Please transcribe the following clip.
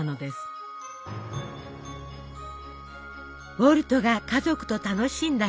ウォルトが家族と楽しんだレモンパイ。